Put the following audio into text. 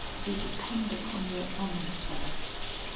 We depend upon your honor, sir."